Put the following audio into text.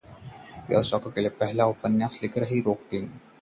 वयस्कों के लिए पहला उपन्यास लिख रही हैं रॉलिंग